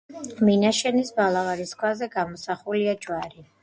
მინაშენის ბალავარის ქვაზე გამოსახულია ჯვარი.